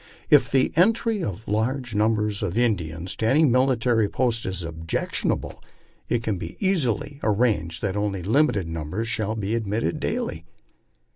If the entry of large numbers of Indians to any military post is objectionable, it can easily be arranged that only limited numbers shall be admitted daily."